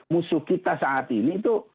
musuh kita saat ini itu